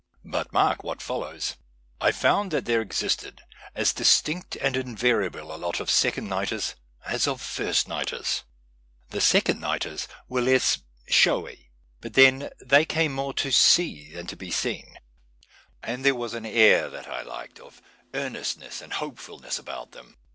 But mark what follows :—" I found that there existed as distinct and invariable a lot of second nighters as of first nighters. The 106 AUDIENCES sccond nightcrs were less ' showy '; but then, they came more to sec than to be seen, and there was an air that I liked of earnestness and hopefulness about them.